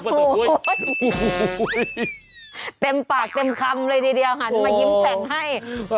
โอ้โหเต็มปากเต็มคำเลยทีเดียวหันมายิ้มแฉ่งให้